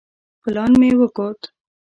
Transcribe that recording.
پلان مې وکوت.